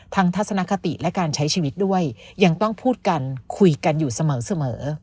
ทัศนคติและการใช้ชีวิตด้วยยังต้องพูดกันคุยกันอยู่เสมอ